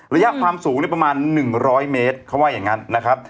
ระยะความสูงประมาณ๑๐๐เมตรเขาว่าอย่างนั้นนะครับ